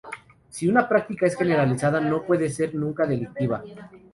si una práctica es generalizada no puede ser nunca delictiva